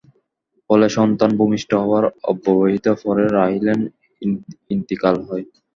ফলে সন্তান ভূমিষ্ঠ হওয়ার অব্যবহিত পরে রাহীলের ইনতিকাল হয়।